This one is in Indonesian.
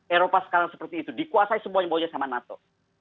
eropa sekarang seperti itu dikuasai semuanya sama nato